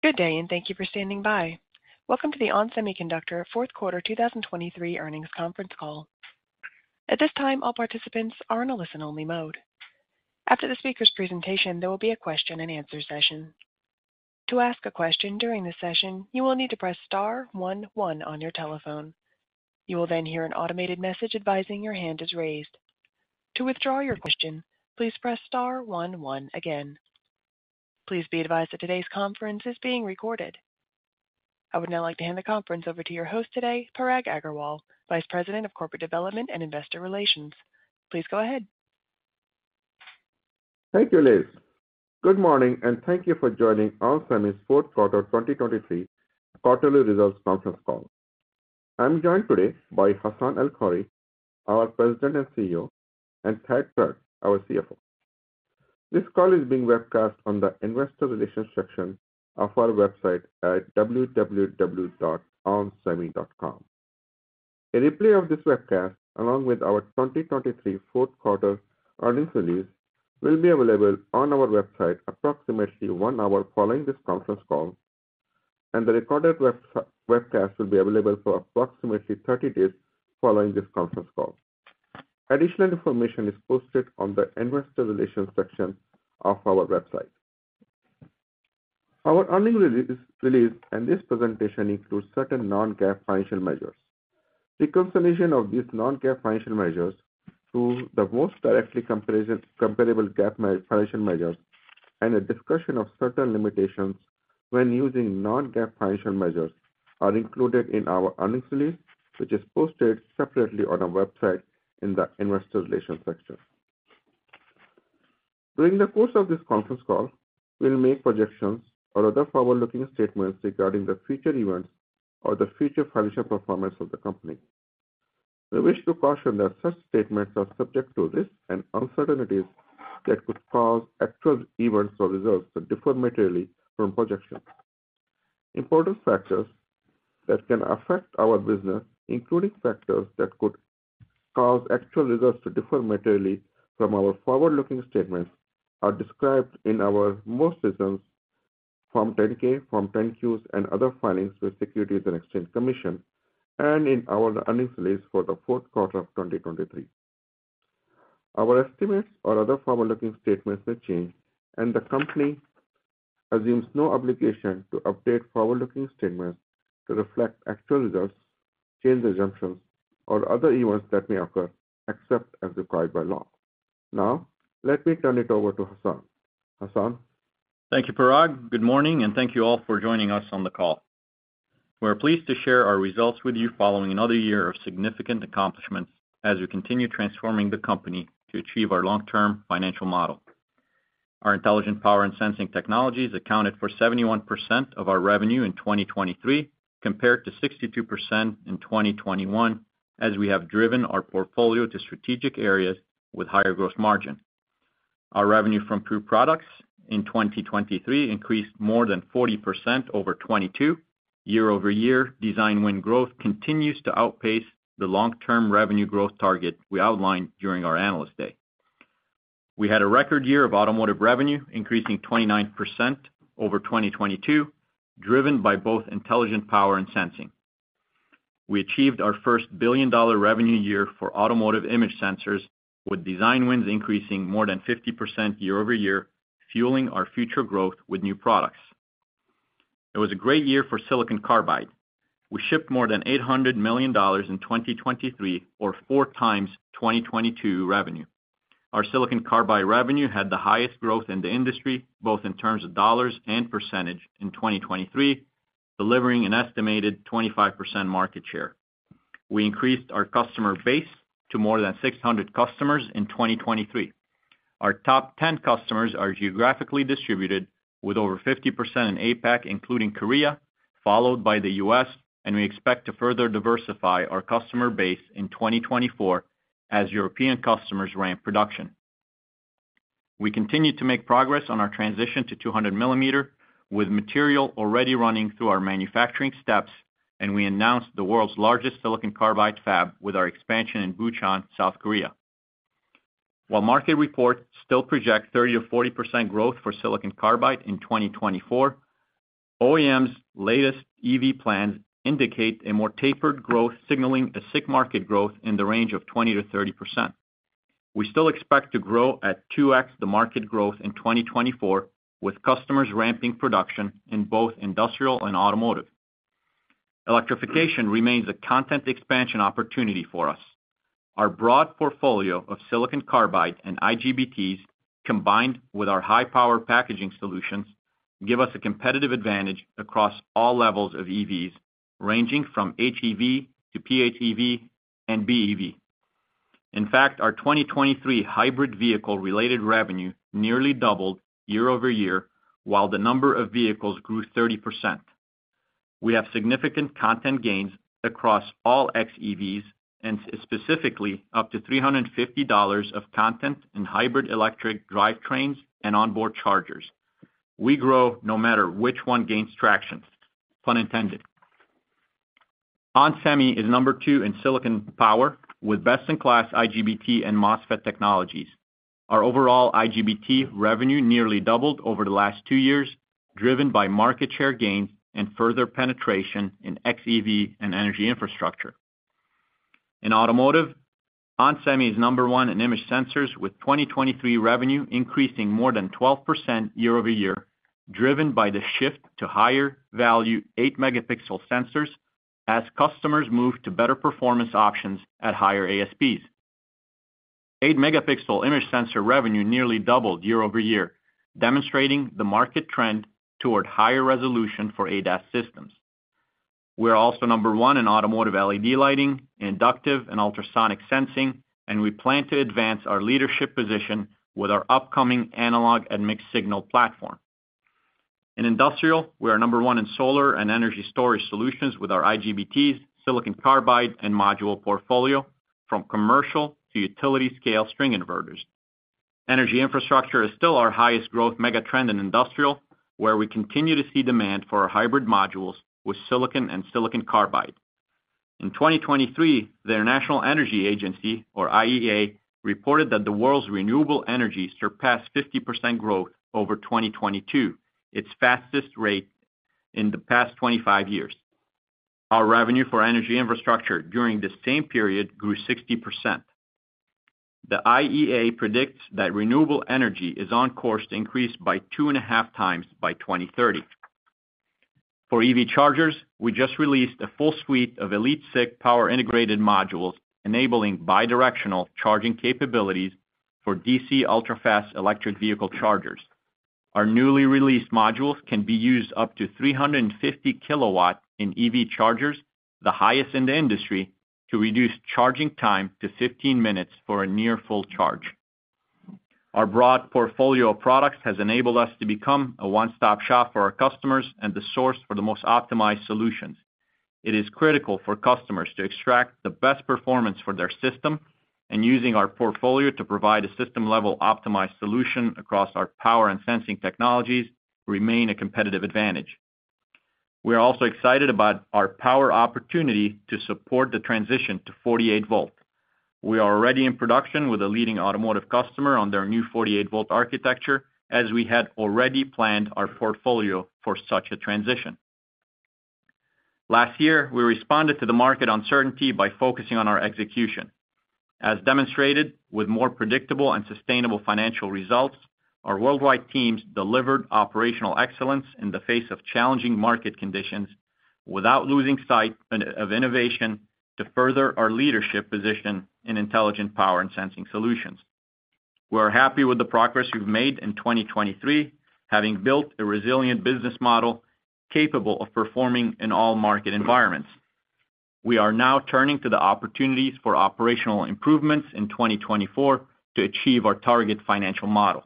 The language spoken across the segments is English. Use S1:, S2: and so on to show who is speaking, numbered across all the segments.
S1: Good day, and thank you for standing by. Welcome to the ON Semiconductor Fourth Quarter 2023 Earnings Conference Call. At this time, all participants are in a listen-only mode. After the speaker's presentation, there will be a question-and-answer session. To ask a question during the session, you will need to press star one one on your telephone. You will then hear an automated message advising your hand is raised. To withdraw your question, please press star one one again. Please be advised that today's conference is being recorded. I would now like to hand the conference over to your host today, Parag Agarwal, Vice President of Corporate Development and Investor Relations. Please go ahead.
S2: Thank you, Liz. Good morning, and thank you for joining ON Semi's Fourth Quarter 2023 Quarterly Results Conference Call. I'm joined today by Hassane El-Khoury, our President and CEO, and Thad Trent, our CFO. This call is being webcast on the investor relations section of our website at www.onsemi.com. A replay of this webcast, along with our 2023 fourth quarter earnings release, will be available on our website approximately 1 hour following this conference call, and the recorded webcast will be available for approximately 30 days following this conference call. Additional information is posted on the investor relations section of our website. Our earnings release, released and this presentation includes certain non-GAAP financial measures. Reconciliation of these non-GAAP financial measures to the most directly comparable GAAP financial measures and a discussion of certain limitations when using non-GAAP financial measures are included in our earnings release, which is posted separately on our website in the investor relations section. During the course of this conference call, we'll make projections or other forward-looking statements regarding the future events or the future financial performance of the company. We wish to caution that such statements are subject to risks and uncertainties that could cause actual events or results to differ materially from projections. Important factors that can affect our business, including factors that could cause actual results to differ materially from our forward-looking statements, are described in our most recent Form 10-K, Form 10-Qs, and other filings with the Securities and Exchange Commission, and in our earnings release for the Fourth Quarter of 2023. Our estimates or other forward-looking statements may change, and the company assumes no obligation to update forward-looking statements to reflect actual results, changed assumptions, or other events that may occur, except as required by law. Now, let me turn it over to Hassane. Hassane?
S3: Thank you, Parag. Good morning, and thank you all for joining us on the call. We're pleased to share our results with you following another year of significant accomplishments as we continue transforming the company to achieve our long-term financial model. Our intelligent power and sensing technologies accounted for 71% of our revenue in 2023, compared to 62% in 2021, as we have driven our portfolio to strategic areas with higher gross margin. Our revenue from two products in 2023 increased more than 40% over 2022. Year-over-year design win growth continues to outpace the long-term revenue growth target we outlined during our Analyst Day. We had a record year of automotive revenue, increasing 29% over 2022, driven by both intelligent power and sensing. We achieved our first billion-dollar revenue year for automotive image sensors, with design wins increasing more than 50% year-over-year, fueling our future growth with new products. It was a great year for Silicon Carbide. We shipped more than $800 million in 2023 or 4 times 2022 revenue. Our Silicon Carbide revenue had the highest growth in the industry, both in terms of dollars and percentage in 2023, delivering an estimated 25% market share. We increased our customer base to more than 600 customers in 2023. Our top 10 customers are geographically distributed, with over 50% in APAC, including Korea, followed by the U.S., and we expect to further diversify our customer base in 2024 as European customers ramp production. We continue to make progress on our transition to 200mm, with material already running through our manufacturing steps, and we announced the world's largest silicon carbide fab with our expansion in Bucheon, South Korea. While market reports still project 30%-40% growth for silicon carbide in 2024, OEMs' latest EV plans indicate a more tapered growth, signaling a SiC market growth in the range of 20%-30%. We still expect to grow at 2x the market growth in 2024, with customers ramping production in both industrial and automotive. Electrification remains a content expansion opportunity for us. Our broad portfolio of silicon carbide and IGBTs, combined with our high-power packaging solutions, give us a competitive advantage across all levels of EVs, ranging from HEV to PHEV and BEV. In fact, our 2023 hybrid vehicle-related revenue nearly doubled year-over-year, while the number of vehicles grew 30%. We have significant content gains across all xEVs and specifically up to $350 of content in hybrid electric drivetrains and onboard chargers. We grow no matter which one gains traction. Pun intended.... onsemi is number two in silicon power, with best-in-class IGBT and MOSFET technologies. Our overall IGBT revenue nearly doubled over the last 2 years, driven by market share gains and further penetration in xEV and energy infrastructure. In automotive, onsemi is number one in image sensors, with 2023 revenue increasing more than 12% year-over-year, driven by the shift to higher value 8-megapixel sensors as customers move to better performance options at higher ASPs. 8-megapixel image sensor revenue nearly doubled year-over-year, demonstrating the market trend toward higher resolution for ADAS systems. We are also number one in automotive LED lighting, inductive and ultrasonic sensing, and we plan to advance our leadership position with our upcoming analog and mixed signal platform. In industrial, we are number one in solar and energy storage solutions with our IGBTs, silicon carbide, and module portfolio, from commercial to utility scale string inverters. Energy infrastructure is still our highest growth mega trend in industrial, where we continue to see demand for our hybrid modules with silicon and silicon carbide. In 2023, the International Energy Agency, or IEA, reported that the world's renewable energy surpassed 50% growth over 2022, its fastest rate in the past 25 years. Our revenue for energy infrastructure during the same period grew 60%. The IEA predicts that renewable energy is on course to increase by 2.5 times by 2030. For EV chargers, we just released a full suite of EliteSiC power integrated modules, enabling bidirectional charging capabilities for DC ultra-fast electric vehicle chargers. Our newly released modules can be used up to 350 kW in EV chargers, the highest in the industry, to reduce charging time to 15 minutes for a near full charge. Our broad portfolio of products has enabled us to become a one-stop shop for our customers and the source for the most optimized solutions. It is critical for customers to extract the best performance for their system, and using our portfolio to provide a system-level optimized solution across our power and sensing technologies remain a competitive advantage. We are also excited about our power opportunity to support the transition to 48-volt. We are already in production with a leading automotive customer on their new 48-volt architecture, as we had already planned our portfolio for such a transition. Last year, we responded to the market uncertainty by focusing on our execution. As demonstrated, with more predictable and sustainable financial results, our worldwide teams delivered operational excellence in the face of challenging market conditions without losing sight of innovation to further our leadership position in intelligent power and sensing solutions. We are happy with the progress we've made in 2023, having built a resilient business model capable of performing in all market environments. We are now turning to the opportunities for operational improvements in 2024 to achieve our target financial model.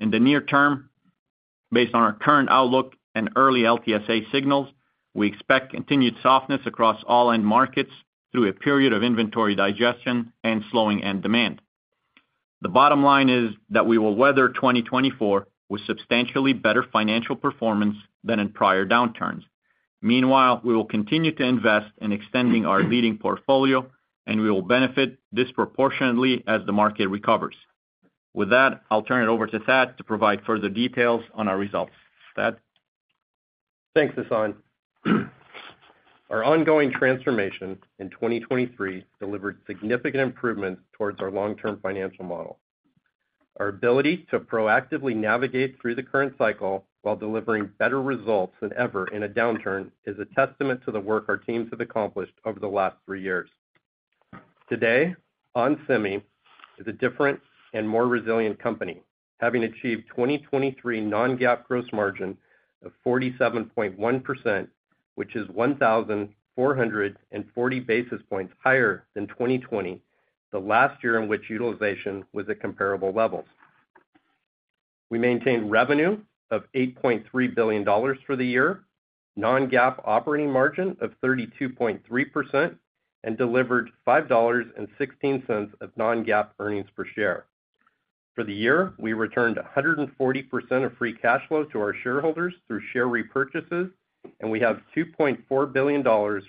S3: In the near term, based on our current outlook and early LTSA signals, we expect continued softness across all end markets through a period of inventory digestion and slowing end demand. The bottom line is that we will weather 2024 with substantially better financial performance than in prior downturns. Meanwhile, we will continue to invest in extending our leading portfolio, and we will benefit disproportionately as the market recovers. With that, I'll turn it over to Thad to provide further details on our results. Thad?
S4: Thanks, Hassan. Our ongoing transformation in 2023 delivered significant improvements towards our long-term financial model. Our ability to proactively navigate through the current cycle while delivering better results than ever in a downturn, is a testament to the work our teams have accomplished over the last three years. Today, ON Semi is a different and more resilient company, having achieved 2023 non-GAAP gross margin of 47.1%, which is 1,440 basis points higher than 2020, the last year in which utilization was at comparable levels. We maintained revenue of $8.3 billion for the year, non-GAAP operating margin of 32.3%, and delivered $5.16 of non-GAAP earnings per share. For the year, we returned 140% of free cash flow to our shareholders through share repurchases, and we have $2.4 billion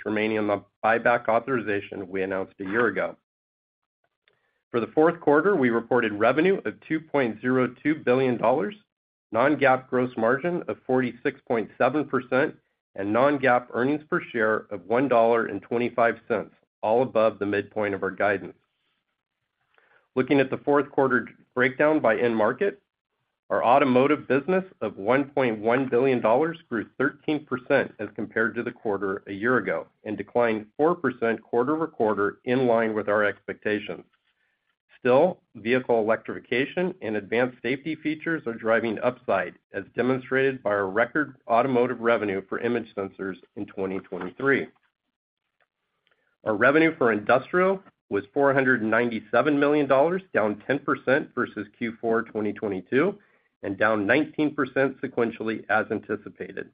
S4: remaining on the buyback authorization we announced a year ago. For the fourth quarter, we reported revenue of $2.02 billion, non-GAAP gross margin of 46.7%, and non-GAAP earnings per share of $1.25, all above the midpoint of our guidance. Looking at the fourth quarter breakdown by end market, our automotive business of $1.1 billion grew 13% as compared to the quarter a year ago and declined 4% quarter-over-quarter in line with our expectations. Still, vehicle electrification and advanced safety features are driving upside, as demonstrated by our record automotive revenue for image sensors in 2023. Our revenue for industrial was $497 million, down 10% versus Q4 2022 and down 19% sequentially as anticipated.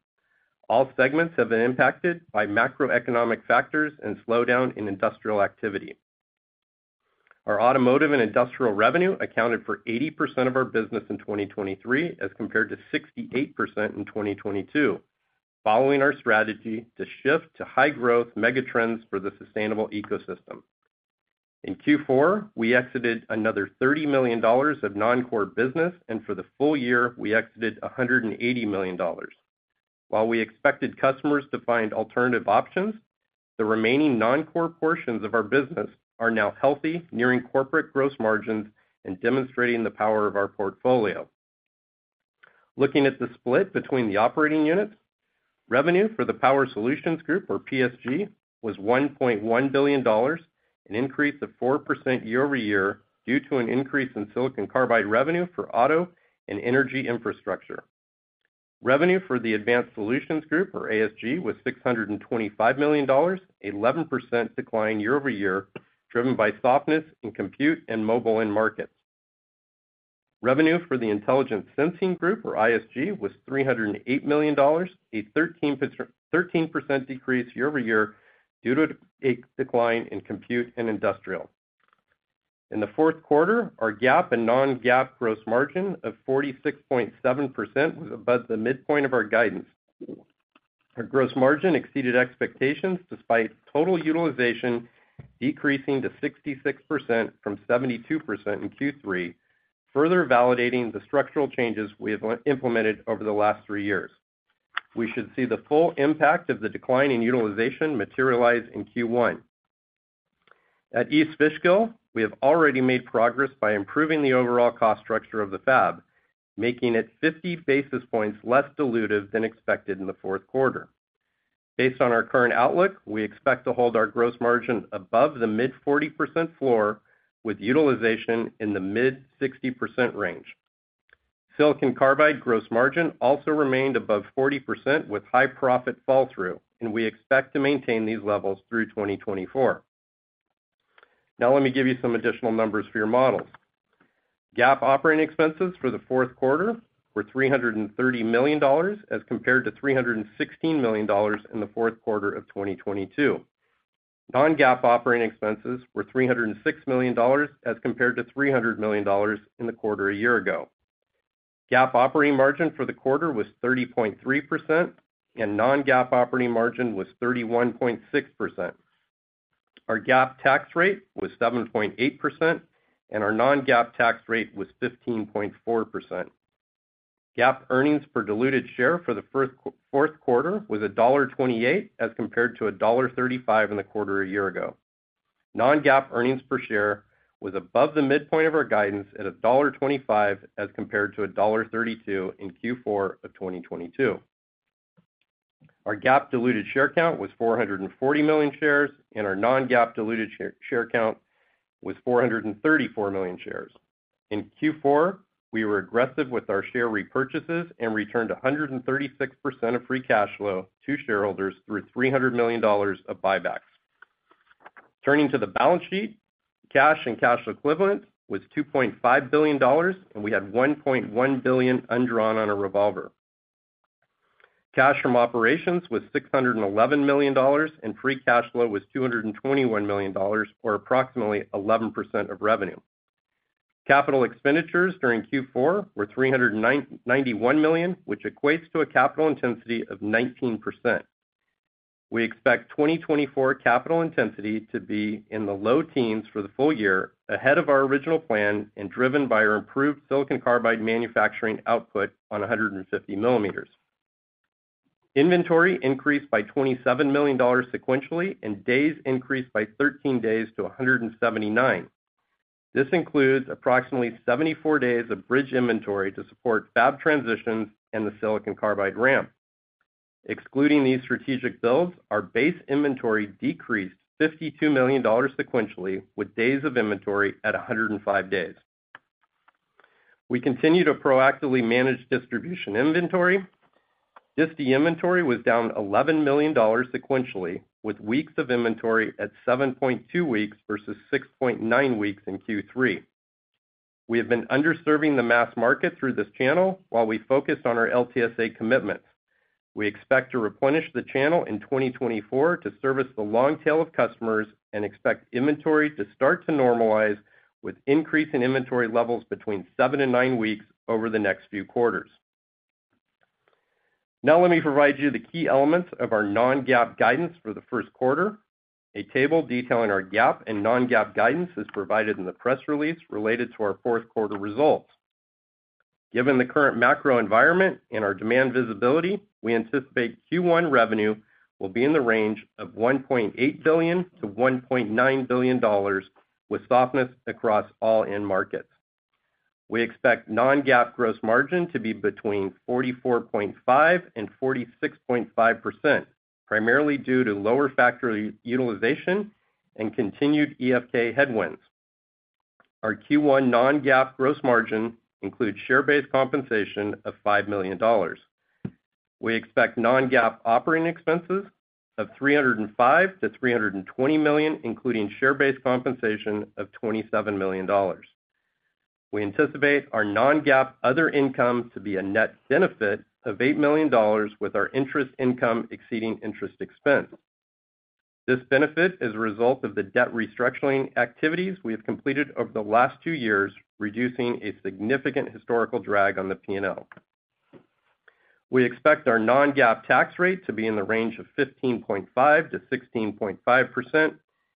S4: All segments have been impacted by macroeconomic factors and slowdown in industrial activity.... Our automotive and industrial revenue accounted for 80% of our business in 2023, as compared to 68% in 2022, following our strategy to shift to high-growth megatrends for the sustainable ecosystem. In Q4, we exited another $30 million of non-core business, and for the full year, we exited $180 million. While we expected customers to find alternative options, the remaining non-core portions of our business are now healthy, nearing corporate gross margins and demonstrating the power of our portfolio. Looking at the split between the operating units, revenue for the Power Solutions Group, or PSG, was $1.1 billion, an increase of 4% year-over-year due to an increase in silicon carbide revenue for auto and energy infrastructure. Revenue for the Advanced Solutions Group, or ASG, was $625 million, an 11% decline year-over-year, driven by softness in compute and mobile end markets. Revenue for the Intelligent Sensing Group, or ISG, was $308 million, a 13% decrease year-over-year due to a decline in compute and industrial. In the fourth quarter, our GAAP and non-GAAP gross margin of 46.7% was above the midpoint of our guidance. Our gross margin exceeded expectations despite total utilization decreasing to 66% from 72% in Q3, further validating the structural changes we have implemented over the last three years. We should see the full impact of the decline in utilization materialize in Q1. At East Fishkill, we have already made progress by improving the overall cost structure of the fab, making it 50 basis points less dilutive than expected in the fourth quarter. Based on our current outlook, we expect to hold our gross margin above the mid-40% floor, with utilization in the mid-60% range. Silicon Carbide gross margin also remained above 40% with high profit fall through, and we expect to maintain these levels through 2024. Now, let me give you some additional numbers for your models. GAAP operating expenses for the fourth quarter were $330 million, as compared to $316 million in the Fourth Quarter of 2022. Non-GAAP operating expenses were $306 million, as compared to $300 million in the quarter a year ago. GAAP operating margin for the quarter was 30.3%, and non-GAAP operating margin was 31.6%. Our GAAP tax rate was 7.8%, and our non-GAAP tax rate was 15.4%. GAAP earnings per diluted share for the fourth quarter was $1.28, as compared to $1.35 in the quarter a year ago. Non-GAAP earnings per share was above the midpoint of our guidance at $1.25, as compared to $1.32 in Q4 of 2022. Our GAAP diluted share count was 440 million shares, and our non-GAAP diluted share count was 434 million shares. In Q4, we were aggressive with our share repurchases and returned 136% of free cash flow to shareholders through $300 million of buybacks. Turning to the balance sheet, cash and cash equivalents was $2.5 billion, and we had $1.1 billion undrawn on a revolver. Cash from operations was $611 million, and free cash flow was $221 million, or approximately 11% of revenue. Capital expenditures during Q4 were $391 million, which equates to a capital intensity of 19%. We expect 2024 capital intensity to be in the low teens for the full year, ahead of our original plan and driven by our improved Silicon Carbide manufacturing output on 150 millimeters. Inventory increased by $27 million sequentially, and days increased by 13 days to 179. This includes approximately 74 days of bridge inventory to support fab transitions and the Silicon Carbide ramp. Excluding these strategic builds, our base inventory decreased $52 million sequentially, with days of inventory at 105 days. We continue to proactively manage distribution inventory. Disti inventory was down $11 million sequentially, with weeks of inventory at 7.2 weeks versus 6.9 weeks in Q3. We have been underserving the mass market through this channel while we focus on our LTSA commitments. We expect to replenish the channel in 2024 to service the long tail of customers and expect inventory to start to normalize, with increase in inventory levels between 7-9 weeks over the next few quarters. Now, let me provide you the key elements of our non-GAAP guidance for the first quarter. A table detailing our GAAP and non-GAAP guidance is provided in the press release related to our fourth quarter results. Given the current macro environment and our demand visibility, we anticipate Q1 revenue will be in the range of $1.8 billion-$1.9 billion, with softness across all end markets. We expect non-GAAP gross margin to be between 44.5%-46.5%, primarily due to lower factory utilization and continued EFK headwinds. Our Q1 non-GAAP gross margin includes share-based compensation of $5 million. We expect non-GAAP operating expenses of $305 million-$320 million, including share-based compensation of $27 million. We anticipate our non-GAAP other income to be a net benefit of $8 million, with our interest income exceeding interest expense. This benefit is a result of the debt restructuring activities we have completed over the last two years, reducing a significant historical drag on the P&L. We expect our non-GAAP tax rate to be in the range of 15.5%-16.5%,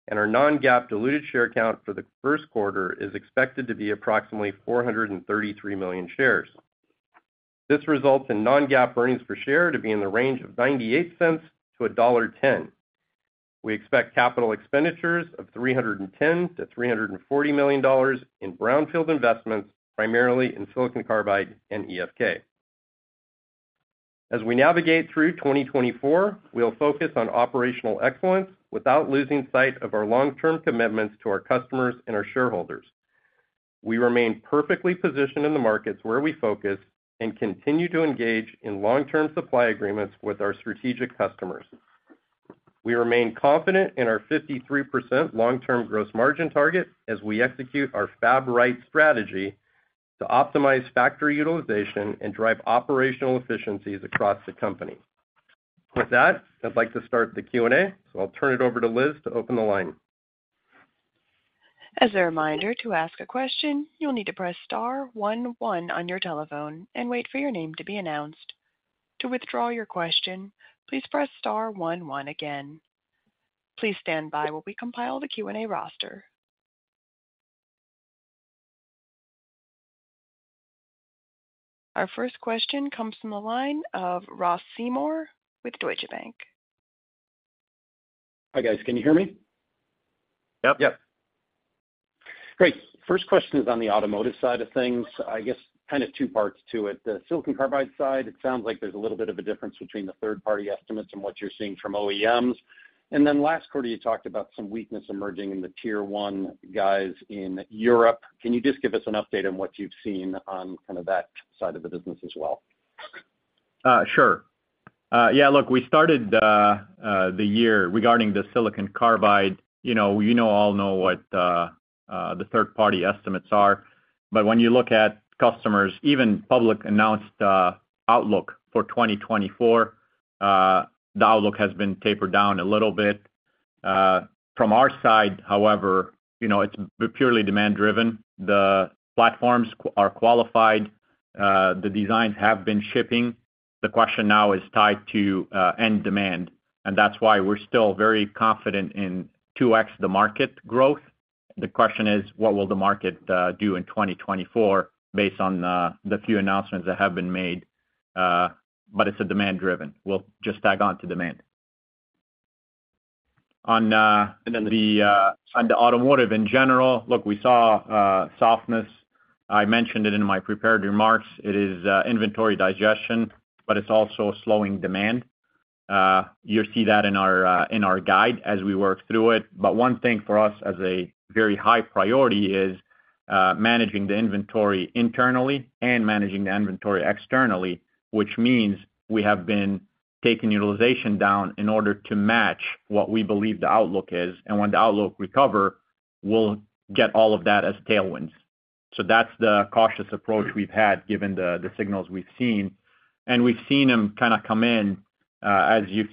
S4: and our non-GAAP diluted share count for the first quarter is expected to be approximately 433 million shares. This results in non-GAAP earnings per share to be in the range of $0.98-$1.10. We expect capital expenditures of $310 million-$340 million in brownfield investments, primarily in silicon carbide and EFK. As we navigate through 2024, we'll focus on operational excellence without losing sight of our long-term commitments to our customers and our shareholders. We remain perfectly positioned in the markets where we focus and continue to engage in long-term supply agreements with our strategic customers. We remain confident in our 53% long-term gross margin target as we execute our Fab Right strategy to optimize factory utilization and drive operational efficiencies across the company. With that, I'd like to start the Q&A, so I'll turn it over to Liz to open the line.
S1: As a reminder, to ask a question, you'll need to press star one, one on your telephone and wait for your name to be announced. To withdraw your question, please press star one, one again. Please stand by while we compile the Q&A roster. Our first question comes from the line of Ross Seymour with Deutsche Bank.
S5: Hi, guys. Can you hear me?
S4: Yep.
S3: Yep.
S5: Great. First question is on the automotive side of things. I guess kind of two parts to it. The Silicon Carbide side, it sounds like there's a little bit of a difference between the third-party estimates and what you're seeing from OEMs. And then last quarter, you talked about some weakness emerging in the Tier 1 guys in Europe. Can you just give us an update on what you've seen on kind of that side of the business as well?
S3: Sure. Yeah, look, we started the year regarding the Silicon Carbide. You know, you know, all know what the third-party estimates are, but when you look at customers, even publicly announced outlook for 2024, the outlook has been tapered down a little bit. From our side, however, you know, it's purely demand driven. The platforms are qualified, the designs have been shipping. The question now is tied to end demand, and that's why we're still very confident in 2x the market growth. The question is: What will the market do in 2024 based on the few announcements that have been made? But it's a demand driven. We'll just tag on to demand. On the automotive in general, look, we saw softness. I mentioned it in my prepared remarks. It is inventory digestion, but it's also a slowing demand. You'll see that in our, in our guide as we work through it. But one thing for us as a very high priority is managing the inventory internally and managing the inventory externally, which means we have been taking utilization down in order to match what we believe the outlook is, and when the outlook recover, we'll get all of that as tailwinds. So that's the cautious approach we've had, given the signals we've seen. And we've seen them kind of come in, as you've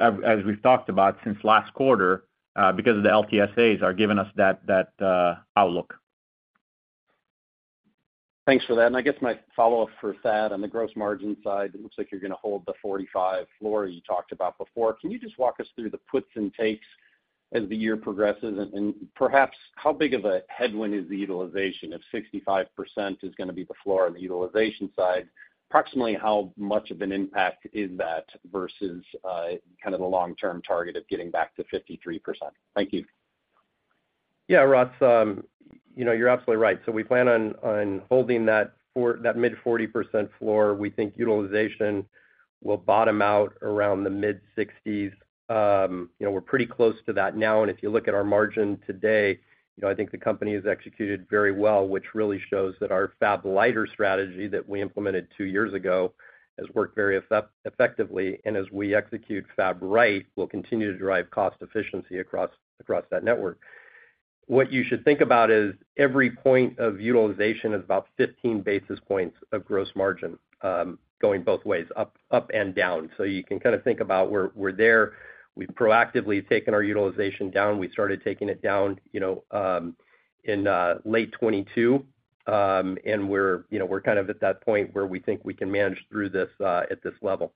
S3: as we've talked about since last quarter, because of the LTSAs are giving us that outlook.
S5: Thanks for that. And I guess my follow-up for Thad, on the gross margin side, it looks like you're going to hold the 45 floor you talked about before. Can you just walk us through the puts and takes as the year progresses? And perhaps how big of a headwind is the utilization? If 65% is going to be the floor on the utilization side, approximately how much of an impact is that versus kind of the long-term target of getting back to 53%? Thank you.
S4: Yeah, Ross, you know, you're absolutely right. So we plan on holding that mid-40% floor. We think utilization will bottom out around the mid-60s. You know, we're pretty close to that now, and if you look at our margin today, you know, I think the company has executed very well, which really shows that our Fab Liter strategy that we implemented two years ago has worked very effectively, and as we execute Fab Right, we'll continue to drive cost efficiency across that network. What you should think about is every point of utilization is about 15 basis points of gross margin, going both ways, up and down. So you can kind of think about we're there. We've proactively taken our utilization down. We started taking it down, you know, in late 2022. We're, you know, we're kind of at that point where we think we can manage through this, at this level.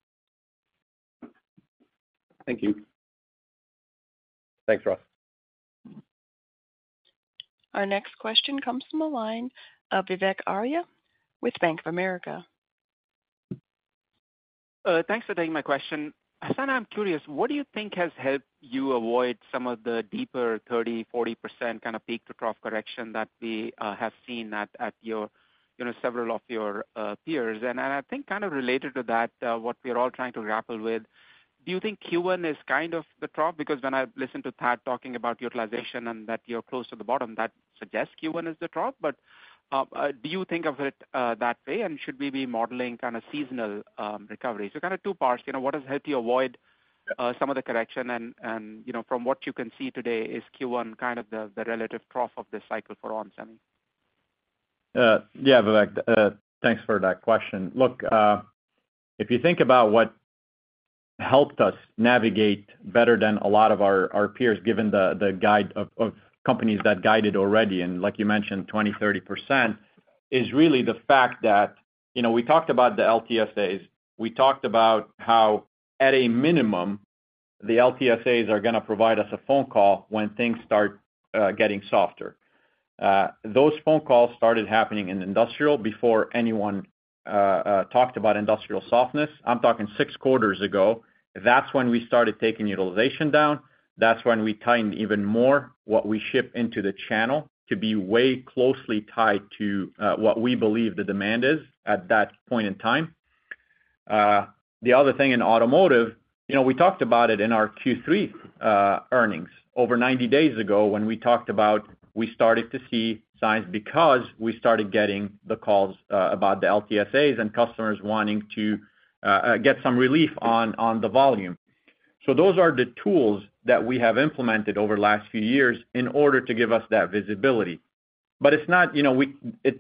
S5: Thank you.
S4: Thanks, Ross.
S1: Our next question comes from the line of Vivek Arya with Bank of America.
S6: Thanks for taking my question. Hassan, I'm curious, what do you think has helped you avoid some of the deeper 30%-40% kind of peak-to-trough correction that we have seen at your, you know, several of your peers? And I think kind of related to that, what we're all trying to grapple with, do you think Q1 is kind of the trough? Because when I listen to Thad talking about utilization and that you're close to the bottom, that suggests Q1 is the trough. But do you think of it that way, and should we be modeling kind of seasonal recovery? So kind of two parts. You know, what has helped you avoid some of the correction, and you know, from what you can see today, is Q1 kind of the relative trough of this cycle for onsemi?
S3: Yeah, Vivek, thanks for that question. Look, if you think about what helped us navigate better than a lot of our peers, given the guide of companies that guided already, and like you mentioned, 20%-30%, is really the fact that, you know, we talked about the LTSAs. We talked about how, at a minimum, the LTSAs are going to provide us a phone call when things start getting softer. Those phone calls started happening in industrial before anyone talked about industrial softness. I'm talking six quarters ago. That's when we started taking utilization down. That's when we tightened even more what we ship into the channel to be way closely tied to what we believe the demand is at that point in time. The other thing in automotive, you know, we talked about it in our Q3 earnings over 90 days ago, when we talked about we started to see signs because we started getting the calls about the LTSAs and customers wanting to get some relief on the volume. So those are the tools that we have implemented over the last few years in order to give us that visibility. But it's not, you know, the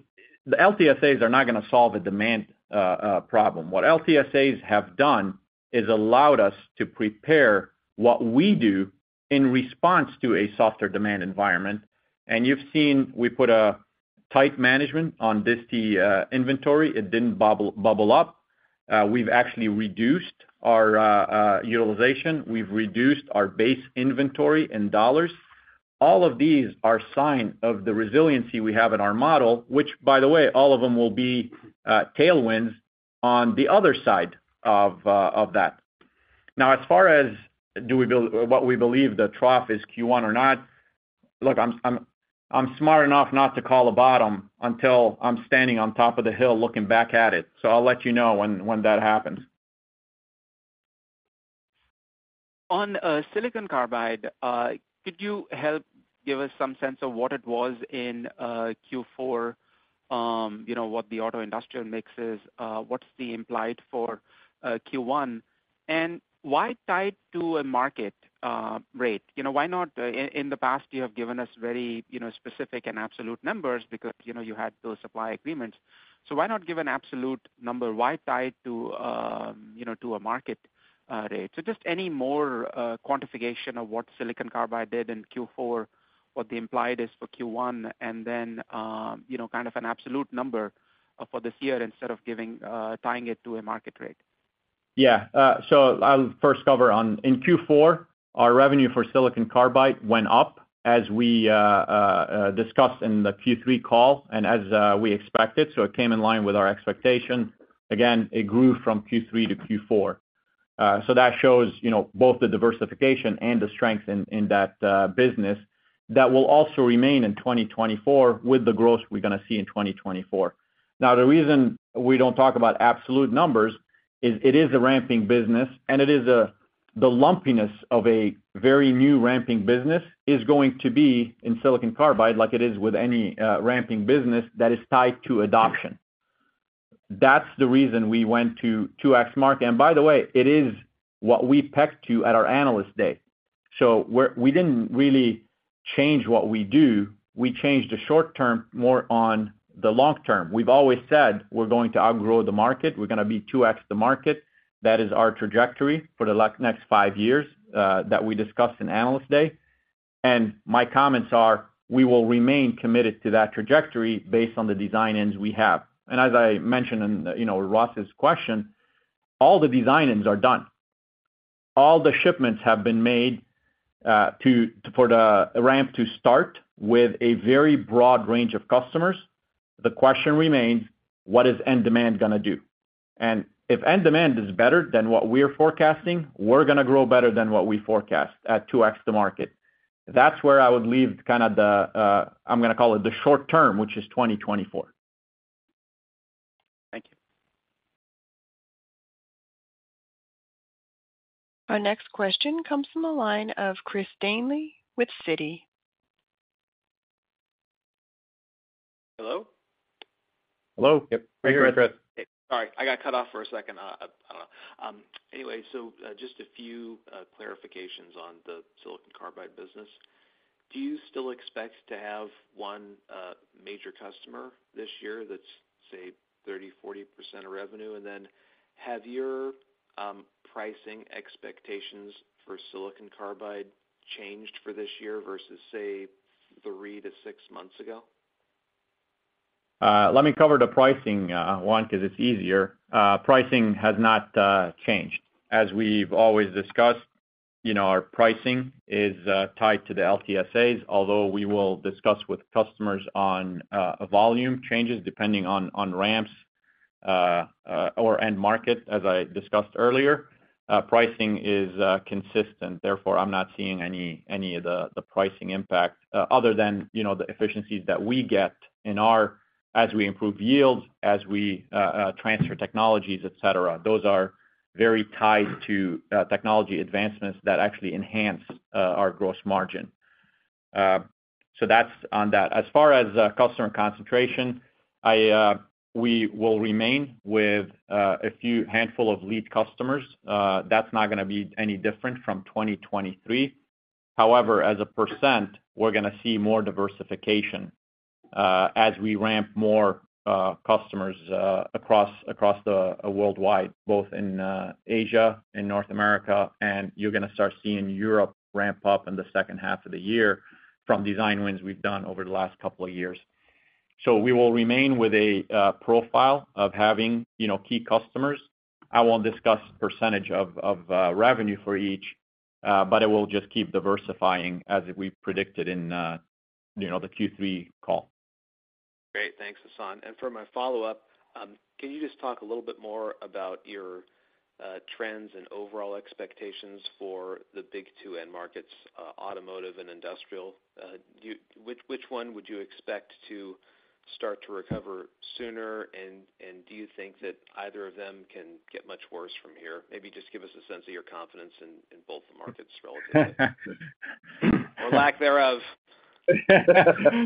S3: LTSAs are not going to solve a demand problem. What LTSAs have done is allowed us to prepare what we do in response to a softer demand environment. And you've seen, we put a tight management on DST inventory. It didn't bubble up. We've actually reduced our utilization. We've reduced our base inventory in dollars. All of these are signs of the resiliency we have in our model, which, by the way, all of them will be tailwinds on the other side of that. Now, as far as what we believe the trough is Q1 or not, look, I'm smart enough not to call a bottom until I'm standing on top of the hill, looking back at it, so I'll let you know when that happens.
S6: On silicon carbide, could you help give us some sense of what it was in Q4? You know, what the auto industrial mix is, what's the implied for Q1? And why tied to a market rate? You know, why not... In the past, you have given us very, you know, specific and absolute numbers because, you know, you had those supply agreements. So why not give an absolute number? Why tied to, you know, to a market rate? So just any more quantification of what silicon carbide did in Q4, what the implied is for Q1, and then, you know, kind of an absolute number for this year instead of giving tying it to a market rate.
S3: Yeah. So I'll first cover on... In Q4, our revenue for silicon carbide went up, as we discussed in the Q3 call and as we expected. So it came in line with our expectation. Again, it grew from Q3-Q4. So that shows, you know, both the diversification and the strength in that business, that will also remain in 2024 with the growth we're going to see in 2024. Now, the reason we don't talk about absolute numbers is, it is a ramping business, and it is the lumpiness of a very new ramping business is going to be in silicon carbide, like it is with any ramping business that is tied to adoption. That's the reason we went to 2X mark. And by the way, it is what we pegged to at our Analyst Day. So we didn't really change what we do. We changed the short term more on the long term. We've always said, "We're going to outgrow the market. We're going to be 2X the market." That is our trajectory for the like, next five years, that we discussed in Analyst Day. And my comments are, we will remain committed to that trajectory based on the design wins we have. And as I mentioned in, you know, Ross's question, all the design wins are done. All the shipments have been made, to for the ramp to start with a very broad range of customers. The question remains, what is end demand going to do? And if end demand is better than what we're forecasting, we're going to grow better than what we forecast at 2X the market. That's where I would leave kind of the, I'm going to call it the short term, which is 2024.
S6: Thank you.
S1: Our next question comes from the line of Chris Danely with Citi.
S7: Hello?
S3: Hello. Yep, we hear you, Chris.
S7: Sorry, I got cut off for a second. Anyway, so just a few clarifications on the silicon carbide business. Do you still expect to have one major customer this year, that's, say, 30%-40% of revenue? And then, have your pricing expectations for silicon carbide changed for this year versus, say, 3-6 months ago?
S3: Let me cover the pricing, because it's easier. Pricing has not changed. As we've always discussed, you know, our pricing is tied to the LTSAs, although we will discuss with customers on volume changes depending on ramps or end market, as I discussed earlier. Pricing is consistent. Therefore, I'm not seeing any of the pricing impact, other than, you know, the efficiencies that we get in our... as we improve yields, as we transfer technologies, et cetera. Those are very tied to technology advancements that actually enhance our gross margin. So that's on that. As far as customer concentration, I, we will remain with a few handful of lead customers. That's not going to be any different from 2023.... However, as a percent, we're gonna see more diversification, as we ramp more customers across the worldwide, both in Asia and North America, and you're gonna start seeing Europe ramp up in the second half of the year from design wins we've done over the last couple of years. So we will remain with a profile of having, you know, key customers. I won't discuss percentage of revenue for each, but it will just keep diversifying as we predicted in, you know, the Q3 call.
S7: Great. Thanks, Hassane. And for my follow-up, can you just talk a little bit more about your trends and overall expectations for the big two end markets, automotive and industrial? Do you—which one would you expect to start to recover sooner? And do you think that either of them can get much worse from here? Maybe just give us a sense of your confidence in both the markets relatively. Or lack thereof.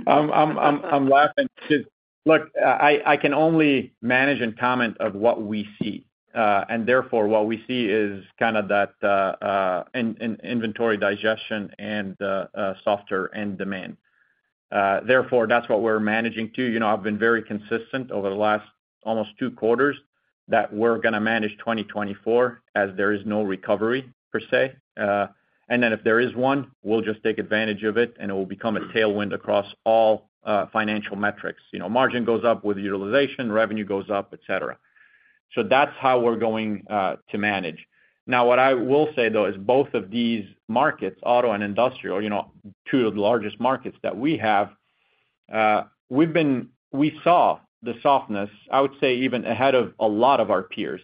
S3: I'm laughing too. Look, I can only manage and comment on what we see, and therefore, what we see is kind of that, in inventory digestion and, a softer end demand. Therefore, that's what we're managing to. You know, I've been very consistent over the last almost two quarters that we're gonna manage 2024, as there is no recovery per se. And then if there is one, we'll just take advantage of it, and it will become a tailwind across all, financial metrics. You know, margin goes up with utilization, revenue goes up, et cetera. So that's how we're going, to manage. Now, what I will say, though, is both of these markets, auto and industrial, you know, two of the largest markets that we have. We've seen the softness, I would say, even ahead of a lot of our peers.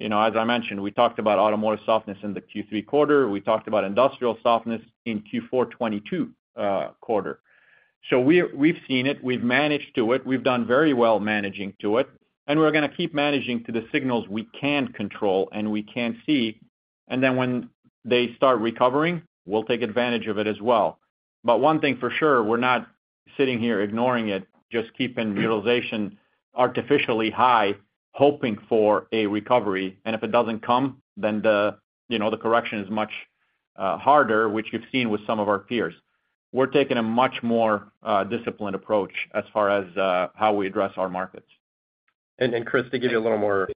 S3: You know, as I mentioned, we talked about automotive softness in the Q3 quarter. We talked about industrial softness in Q4 2022 quarter. So we've seen it, we've managed to it. We've done very well managing to it, and we're gonna keep managing to the signals we can control and we can see. And then when they start recovering, we'll take advantage of it as well. But one thing for sure, we're not sitting here ignoring it, just keeping utilization artificially high, hoping for a recovery. And if it doesn't come, then, you know, the correction is much harder, which you've seen with some of our peers. We're taking a much more disciplined approach as far as how we address our markets.
S4: Chris, to give you a little more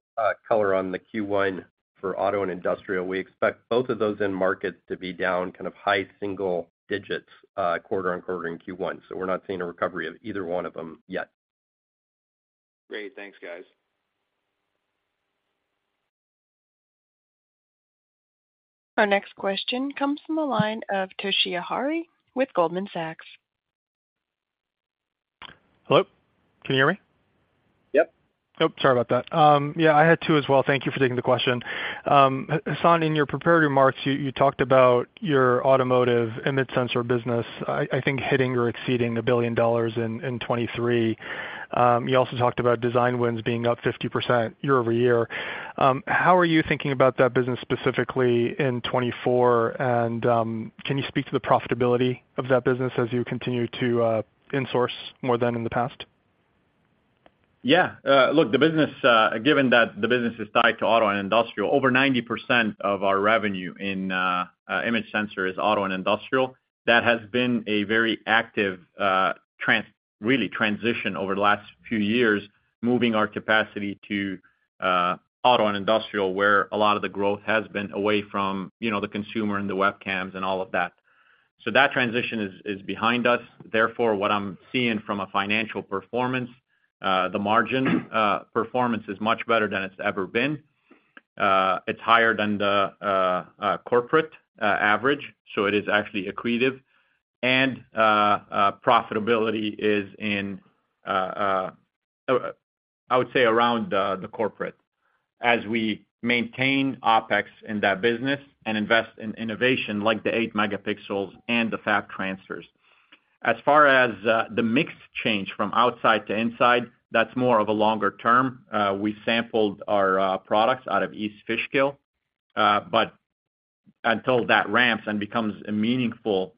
S4: color on the Q1 for auto and industrial, we expect both of those end markets to be down kind of high single digits quarter-over-quarter in Q1. So we're not seeing a recovery of either one of them yet.
S7: Great. Thanks, guys.
S1: Our next question comes from the line of Toshiya Hari with Goldman Sachs.
S8: Hello, can you hear me?
S3: Yep.
S8: Oh, sorry about that. Yeah, I had to as well. Thank you for taking the question. Hassan, in your prepared remarks, you talked about your automotive image sensor business, I think, hitting or exceeding $1 billion in 2023. You also talked about design wins being up 50% year-over-year. How are you thinking about that business specifically in 2024? And, can you speak to the profitability of that business as you continue to insource more than in the past?
S3: Yeah. Look, the business—Given that the business is tied to auto and industrial, over 90% of our revenue in image sensor is auto and industrial. That has been a very active, really, transition over the last few years, moving our capacity to auto and industrial, where a lot of the growth has been away from, you know, the consumer and the webcams and all of that. So that transition is behind us. Therefore, what I'm seeing from a financial performance, the margin performance is much better than it's ever been. It's higher than the corporate average, so it is actually accretive. And profitability is in, I would say, around the corporate, as we maintain OpEx in that business and invest in innovation like the 8 megapixels and the fab transfers. As far as the mix change from outside to inside, that's more of a longer term. We sampled our products out of East Fishkill, but until that ramps and becomes a meaningful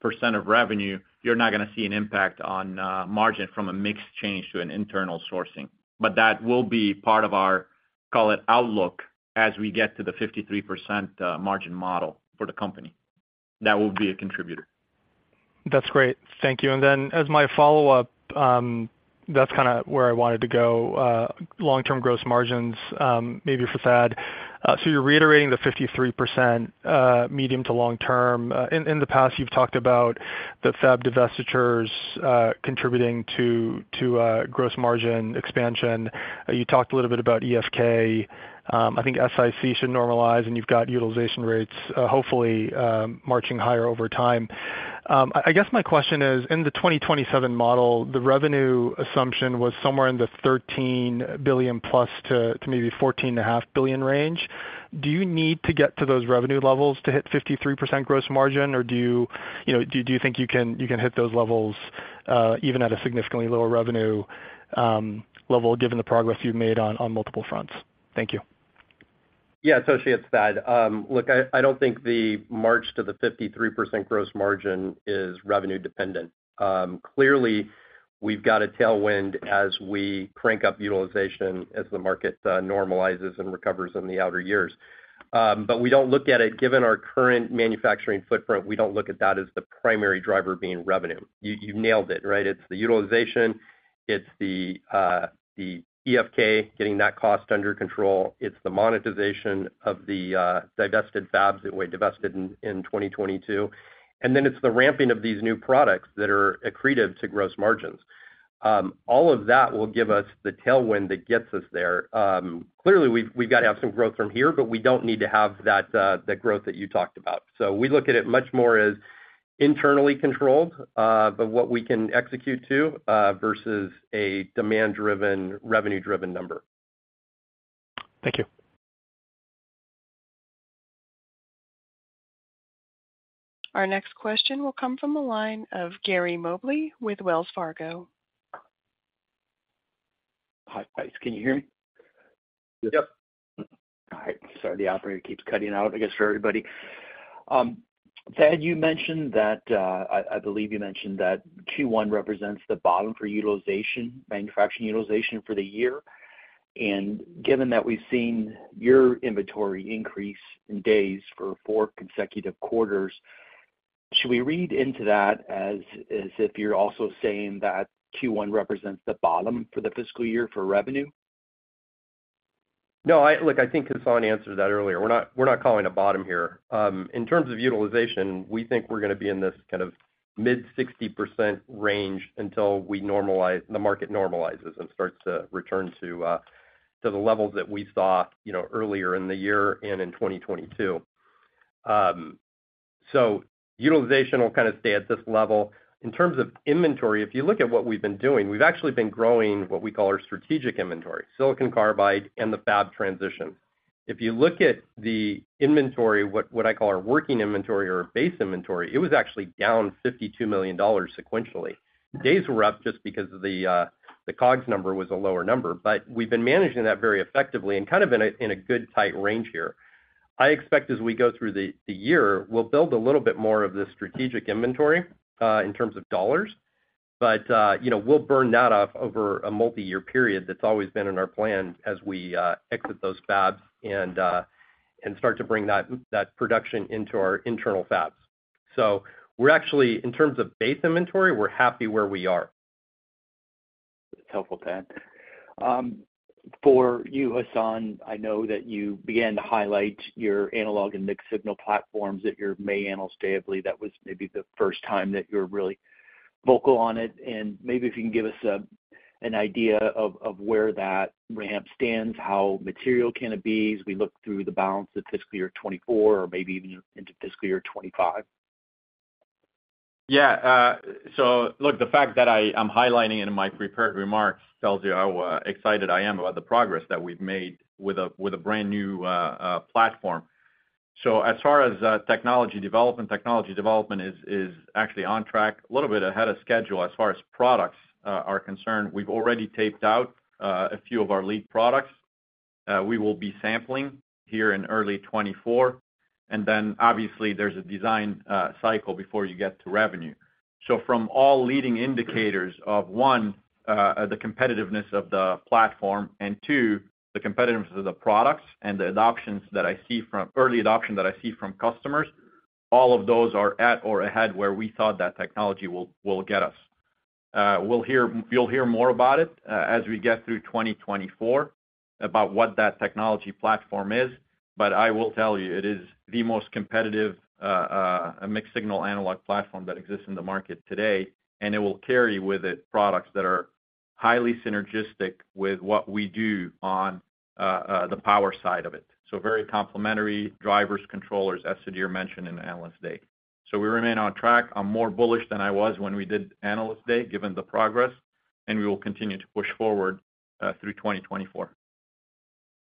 S3: percent of revenue, you're not gonna see an impact on margin from a mix change to an internal sourcing. But that will be part of our, call it, outlook, as we get to the 53% margin model for the company. That will be a contributor.
S8: That's great. Thank you. And then, as my follow-up, that's kind of where I wanted to go, long-term gross margins, maybe for Thad. So you're reiterating the 53%, medium to long-term. In the past, you've talked about the fab divestitures, contributing to gross margin expansion. You talked a little bit about EFK. I think SiC should normalize, and you've got utilization rates, hopefully, marching higher over time. I guess my question is, in the 2027 model, the revenue assumption was somewhere in the $13 billion+-$14.5 billion range. Do you need to get to those revenue levels to hit 53% gross margin, or do you, you know, do you think you can hit those levels even at a significantly lower revenue level, given the progress you've made on multiple fronts? Thank you.
S4: Yeah, Toshiya, it's Thad. Look, I don't think the march to the 53% gross margin is revenue dependent. Clearly, we've got a tailwind as we crank up utilization, as the market normalizes and recovers in the outer years. But we don't look at it. Given our current manufacturing footprint, we don't look at that as the primary driver being revenue. You nailed it, right? It's the utilization, it's the EFK, getting that cost under control. It's the monetization of the divested fabs that we divested in 2022. And then it's the ramping of these new products that are accretive to gross margins. All of that will give us the tailwind that gets us there. Clearly, we've got to have some growth from here, but we don't need to have that growth that you talked about. So we look at it much more as internally controlled, but what we can execute to versus a demand-driven, revenue-driven number.
S8: Thank you.
S1: Our next question will come from the line of Gary Mobley with Wells Fargo.
S9: Hi, guys. Can you hear me?
S4: Yep.
S9: All right. Sorry, the operator keeps cutting out, I guess, for everybody. Thad, you mentioned that I believe you mentioned that Q1 represents the bottom for utilization, manufacturing utilization for the year. And given that we've seen your inventory increase in days for four consecutive quarters, should we read into that as if you're also saying that Q1 represents the bottom for the fiscal year for revenue?
S4: No, I... Look, I think Hassan answered that earlier. We're not, we're not calling a bottom here. In terms of utilization, we think we're gonna be in this kind of mid-60% range until we normalize- the market normalizes and starts to return to, to the levels that we saw, you know, earlier in the year and in 2022. So utilization will kind of stay at this level. In terms of inventory, if you look at what we've been doing, we've actually been growing what we call our strategic inventory, silicon carbide and the fab transition. If you look at the inventory, what, what I call our working inventory or base inventory, it was actually down $52 million sequentially. Days were up just because of the, the COGS number was a lower number, but we've been managing that very effectively and kind of in a good tight range here. I expect as we go through the year, we'll build a little bit more of the strategic inventory in terms of dollars. But you know, we'll burn that off over a multi-year period. That's always been in our plan as we exit those fabs and start to bring that production into our internal fabs. So we're actually, in terms of base inventory, we're happy where we are.
S9: That's helpful, Thad. For you, Hassan, I know that you began to highlight your analog and mixed-signal platforms at your May Analyst Day. I believe that was maybe the first time that you're really vocal on it, and maybe if you can give us an idea of where that ramp stands, how material can it be as we look through the balance of fiscal year 2024 or maybe even into fiscal year 2025.
S3: Yeah, so look, the fact that I'm highlighting it in my prepared remarks tells you how excited I am about the progress that we've made with a brand-new platform. So as far as technology development, technology development is actually on track, a little bit ahead of schedule as far as products are concerned. We've already taped out a few of our lead products. We will be sampling here in early 2024, and then obviously there's a design cycle before you get to revenue. So from all leading indicators of, one, the competitiveness of the platform, and two, the competitiveness of the products and the adoptions that I see from early adoption that I see from customers, all of those are at or ahead where we thought that technology will get us. You'll hear more about it as we get through 2024, about what that technology platform is, but I will tell you, it is the most competitive mixed-signal analog platform that exists in the market today, and it will carry with it products that are highly synergistic with what we do on the power side of it. So very complementary drivers, controllers, as Sudhir mentioned in the Analyst Day. So we remain on track. I'm more bullish than I was when we did Analyst Day, given the progress, and we will continue to push forward through 2024.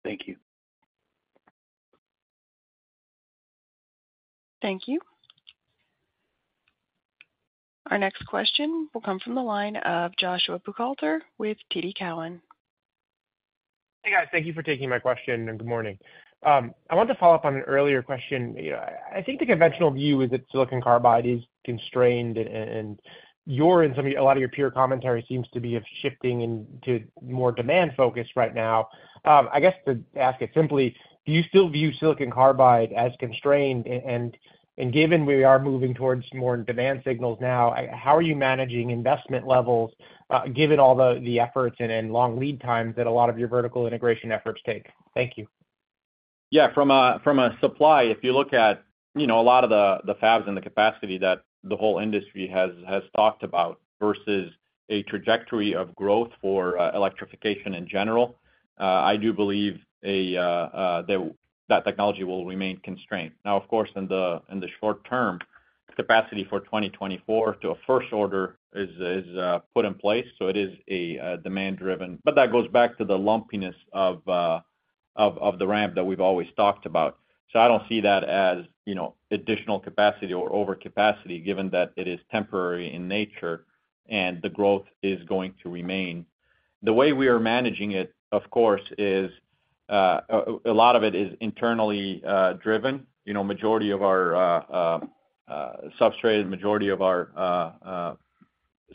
S9: Thank you.
S1: Thank you. Our next question will come from the line of Joshua Buchalter with TD Cowen.
S10: Hey, guys. Thank you for taking my question, and good morning. I wanted to follow up on an earlier question. You know, I think the conventional view is that silicon carbide is constrained, and a lot of your peer commentary seems to be of shifting into more demand focus right now. I guess to ask it simply: Do you still view silicon carbide as constrained? And given we are moving towards more demand signals now, how are you managing investment levels, given all the efforts and long lead times that a lot of your vertical integration efforts take? Thank you.
S3: Yeah. From a supply, if you look at, you know, a lot of the fabs and the capacity that the whole industry has talked about versus a trajectory of growth for electrification in general, I do believe that technology will remain constrained. Now, of course, in the short term, capacity for 2024 to a first order is put in place, so it is demand driven. But that goes back to the lumpiness of the ramp that we've always talked about. So I don't see that as, you know, additional capacity or overcapacity, given that it is temporary in nature and the growth is going to remain. The way we are managing it, of course, is a lot of it is internally driven. You know, majority of our substrate, majority of our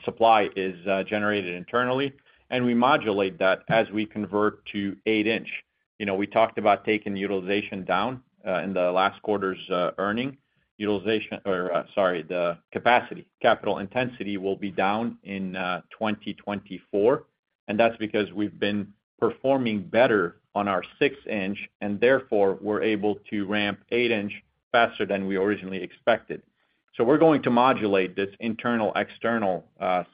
S3: supply is generated internally, and we modulate that as we convert to 8-inch. You know, we talked about taking the utilization down in the last quarter's earnings. Utilization, or, sorry, the capacity, capital intensity will be down in 2024, and that's because we've been performing better on our 6-inch, and therefore, we're able to ramp 8-inch faster than we originally expected. So we're going to modulate this internal, external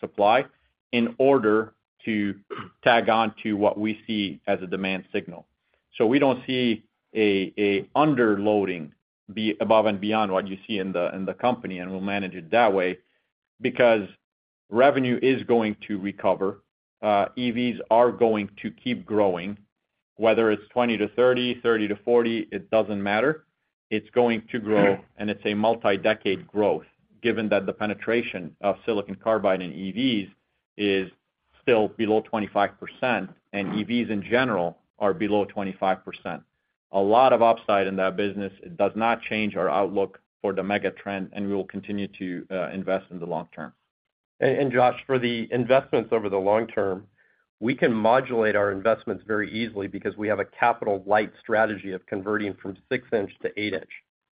S3: supply in order to tag on to what we see as a demand signal. So we don't see underloading to be above and beyond what you see in the company, and we'll manage it that way, because revenue is going to recover. EVs are going to keep growing, whether it's 20-30, 30-40, it doesn't matter. It's going to grow, and it's a multi-decade growth, given that the penetration of Silicon Carbide in EVs is still below 25%, and EVs in general are below 25%. A lot of upside in that business, it does not change our outlook for the mega trend, and we will continue to invest in the long term.
S4: And Josh, for the investments over the long term, we can modulate our investments very easily because we have a capital light strategy of converting from 6-inch to 8-inch.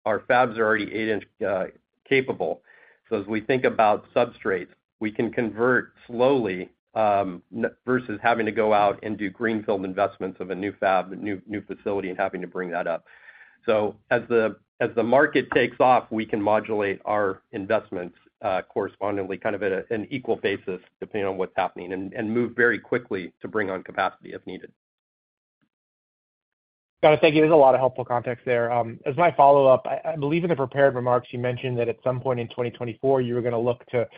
S4: Our fabs are already 8-inch capable, so as we think about substrates, we can convert slowly versus having to go out and do greenfield investments of a new fab, a new facility and having to bring that up. So as the market takes off, we can modulate our investments correspondingly, kind of at an equal basis, depending on what's happening, and move very quickly to bring on capacity if needed.
S10: Got it. Thank you. There's a lot of helpful context there. As my follow-up, I believe in the prepared remarks, you mentioned that at some point in 2024, you were gonna look to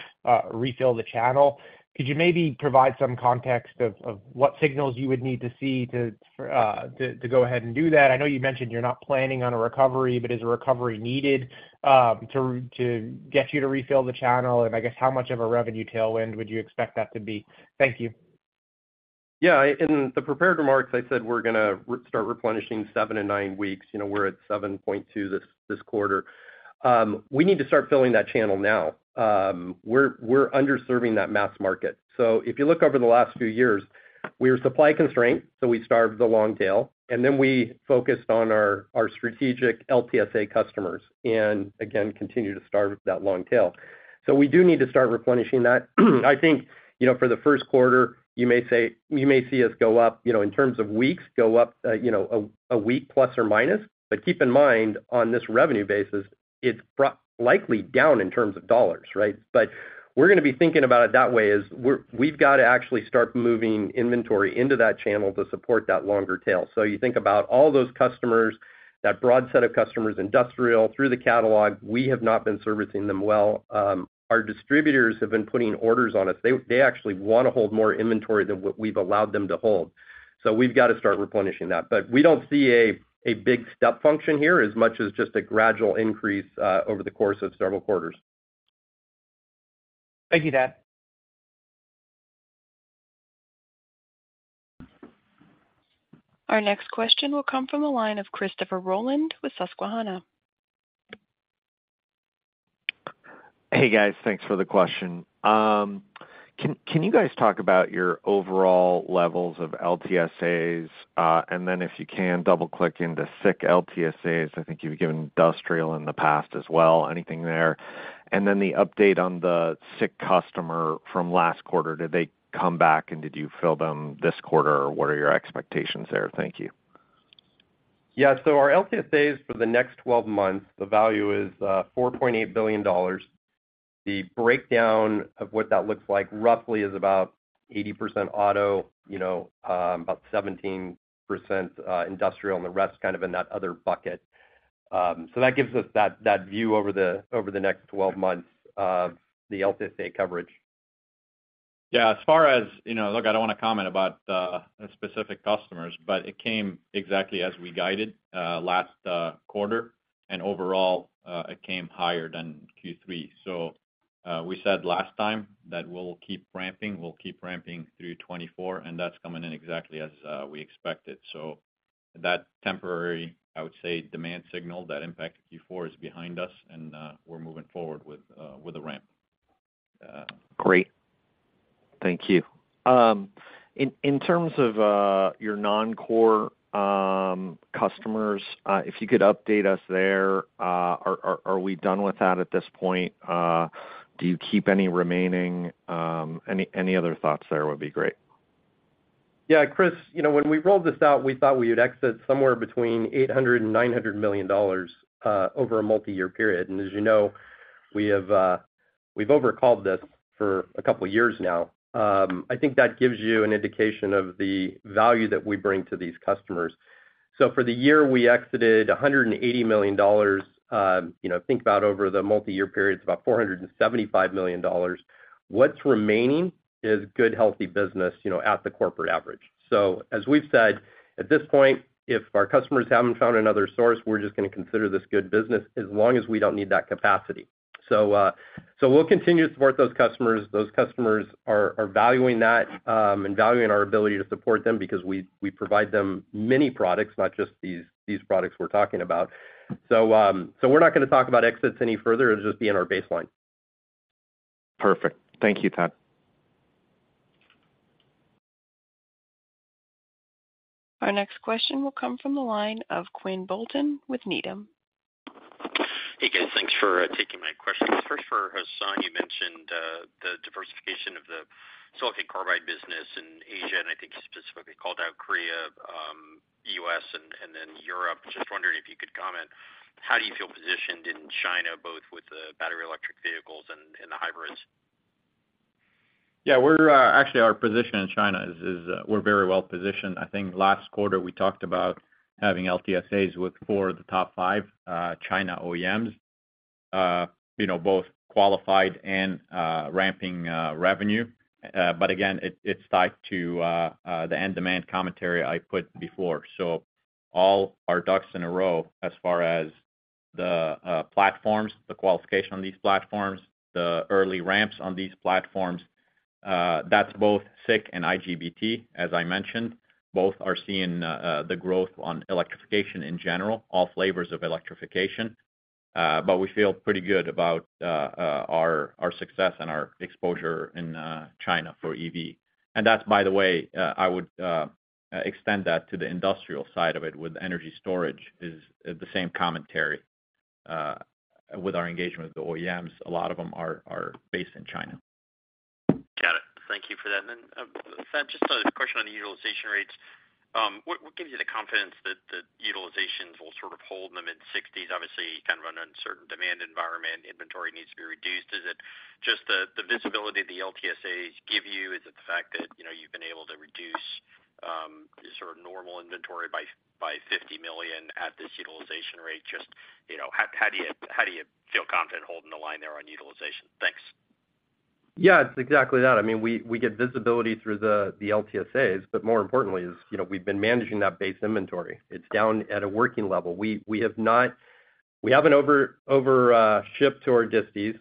S10: refill the channel. Could you maybe provide some context of what signals you would need to see to go ahead and do that? I know you mentioned you're not planning on a recovery, but is a recovery needed to get you to refill the channel? And I guess, how much of a revenue tailwind would you expect that to be? Thank you.
S4: Yeah, in the prepared remarks, I said we're gonna restart replenishing 7 and 9 weeks. You know, we're at 7.2 this quarter. We need to start filling that channel now. We're underserving that mass market. So if you look over the last few years, we were supply constrained, so we starved the long tail, and then we focused on our strategic LTSA customers, and again, continue to starve that long tail. So we do need to start replenishing that. I think, you know, for the first quarter, you may see us go up, you know, in terms of weeks, go up a week, plus or minus. But keep in mind, on this revenue basis, it's probably down in terms of dollars, right? But we're gonna be thinking about it that way. We've got to actually start moving inventory into that channel to support that longer tail. So you think about all those customers, that broad set of customers, industrial, through the catalog, we have not been servicing them well. Our distributors have been putting orders on us. They actually wanna hold more inventory than what we've allowed them to hold, so we've got to start replenishing that. But we don't see a big step function here as much as just a gradual increase over the course of several quarters.
S10: Thank you, Thad.
S1: Our next question will come from the line of Christopher Roland with Susquehanna.
S11: Hey, guys. Thanks for the question. Can you guys talk about your overall levels of LTSAs? And then if you can, double-click into SiC LTSAs. I think you've given industrial in the past as well. Anything there? And then the update on the SiC customer from last quarter, did they come back and did you fill them this quarter, or what are your expectations there? Thank you.
S4: Yeah, so our LTSAs for the next 12 months, the value is $4.8 billion. The breakdown of what that looks like roughly is about 80% auto, you know, about 17% industrial, and the rest kind of in that other bucket. So that gives us that, that view over the, over the next 12 months, the LTSA coverage. Yeah, as far as, you know, look, I don't want to comment about specific customers, but it came exactly as we guided last quarter, and overall it came higher than Q3. So we said last time that we'll keep ramping. We'll keep ramping through 2024, and that's coming in exactly as we expected. So that temporary, I would say, demand signal that impacted Q4 is behind us, and we're moving forward with the ramp.
S11: Great. Thank you. In terms of your non-core customers, if you could update us there, are we done with that at this point? Do you keep any remaining, any other thoughts there would be great.
S4: Yeah, Chris, you know, when we rolled this out, we thought we would exit somewhere between $800 million and $900 million over a multi-year period. And as you know, we have, we've overcalled this for a couple of years now. I think that gives you an indication of the value that we bring to these customers. So for the year, we exited $180 million, you know, think about over the multi-year period, it's about $475 million. What's remaining is good, healthy business, you know, at the corporate average. So as we've said, at this point, if our customers haven't found another source, we're just gonna consider this good business as long as we don't need that capacity. So, so we'll continue to support those customers. Those customers are valuing that and valuing our ability to support them because we provide them many products, not just these products we're talking about. So we're not gonna talk about exits any further. It'll just be in our baseline.
S11: Perfect. Thank you, Thad.
S1: Our next question will come from the line of Quinn Bolton with Needham.
S12: Hey, guys. Thanks for taking my questions. First, for Hassan, you mentioned the diversification of the silicon carbide business in Asia, and I think you specifically called out Korea, US, and then Europe. Just wondering if you could comment, how do you feel positioned in China, both with the battery electric vehicles and the hybrids?
S3: Yeah, we're actually, our position in China is, we're very well positioned. I think last quarter we talked about having LTSAs with four of the top five China OEMs, you know, both qualified and ramping revenue. But again, it's tied to the end demand commentary I put before. So all our ducks in a row as far as the platforms, the qualification on these platforms, the early ramps on these platforms, that's both SiC and IGBT, as I mentioned, both are seeing the growth on electrification in general, all flavors of electrification. But we feel pretty good about our success and our exposure in China for EV. And that's, by the way, I would extend that to the industrial side of it with energy storage is the same commentary with our engagement with the OEMs. A lot of them are based in China.
S12: Got it. Thank you for that. Thad, just a question on the utilization rates. What, what gives you the confidence that the utilizations will sort of hold in the mid-60s%? Obviously, kind of an uncertain demand environment, inventory needs to be reduced. Is it just the, the visibility the LTSAs give you? Is it the fact that, you know, you've been able to reduce your sort of normal inventory by $50 million at this utilization rate? Just, you know, how, how do you, how do you feel confident holding the line there on utilization? Thanks.
S4: Yeah, it's exactly that. I mean, we, we get visibility through the, the LTSAs, but more importantly is, you know, we've been managing that base inventory. It's down at a working level. We, we have not—we haven't over, over, shipped to our disties.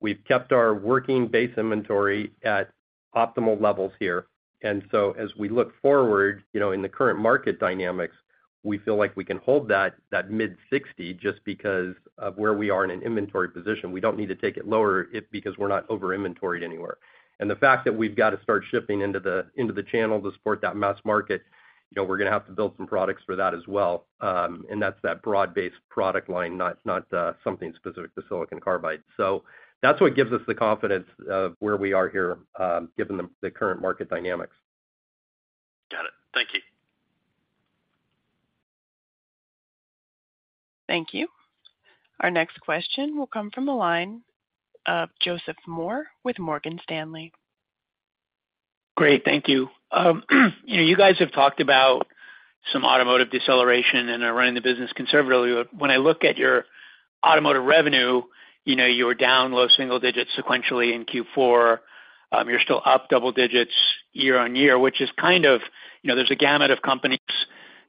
S4: We've kept our working base inventory at optimal levels here. And so as we look forward, you know, in the current market dynamics, we feel like we can hold that, that mid-60 just because of where we are in an inventory position. We don't need to take it lower it, because we're not over inventoried anywhere. And the fact that we've got to start shipping into the, into the channel to support that mass market, you know, we're gonna have to build some products for that as well. And that's that broad-based product line, not, not, something specific to silicon carbide. That's what gives us the confidence of where we are here, given the current market dynamics.
S12: Got it. Thank you.
S1: Thank you. Our next question will come from the line of Joseph Moore with Morgan Stanley.
S13: Great. Thank you. You know, you guys have talked about some automotive deceleration and are running the business conservatively. When I look at your automotive revenue, you know, you were down low single digits sequentially in Q4. You're still up double digits year-on-year, which is kind of, you know, there's a gamut of companies